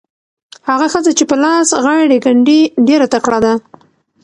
هغه ښځه چې په لاس غاړې ګنډي ډېره تکړه ده.